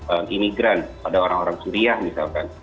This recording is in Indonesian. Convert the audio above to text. anti imigran pada orang orang syuriah misalkan